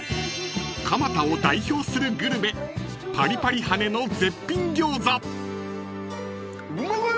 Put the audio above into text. ［蒲田を代表するグルメパリパリ羽根の絶品餃子］